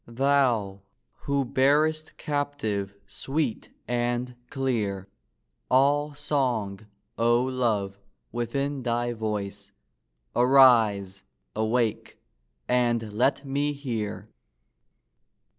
Thou, who bear'st captive, sweet and clear, All song, O love, within thy voice! Arise! awake! and let me hear!